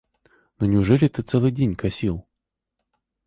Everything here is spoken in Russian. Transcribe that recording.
Но неужели ты целый день косил?